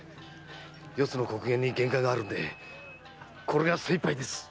四ツの刻限に限界があるんでこれが精一杯です。